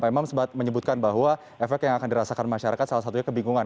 pak imam sempat menyebutkan bahwa efek yang akan dirasakan masyarakat salah satunya kebingungan